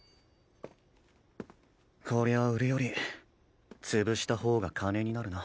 こりゃあ売るより潰した方が金になるな。